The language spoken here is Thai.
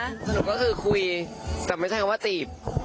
สนุกก็คือคุยแต่ไม่ใช่ว่าตีบ